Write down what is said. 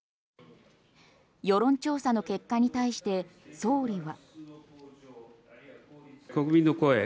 世論調査の結果に対して総理は。